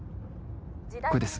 これです。